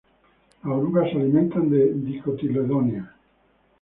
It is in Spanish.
Las orugas se alimentan de dicotiledóneas.